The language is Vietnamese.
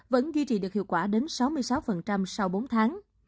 vẫn duy trì được hiệu quả đến sáu mươi sáu sau bốn tháng